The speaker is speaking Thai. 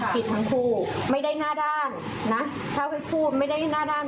ผิดทั้งคู่ไม่ได้หน้าด้านนะถ้าไม่พูดไม่ได้หน้าด้าน